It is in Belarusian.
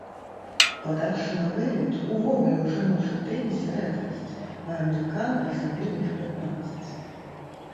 Падача на вылет увогуле ў жаночым тэнісе рэдкасць, а амерыканка зрабіла іх пятнаццаць.